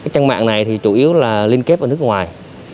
trang mạng này chủ yếu là liên kết với nước ngoài